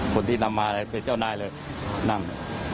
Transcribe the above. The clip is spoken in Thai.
คนที่นำมาเลยเป็นเจ้านายเลยนั่ง